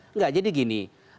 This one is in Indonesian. enggak jadi gini